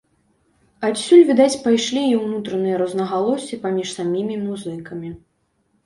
Адсюль, відаць, пайшлі і ўнутраныя рознагалоссі паміж самімі музыкамі.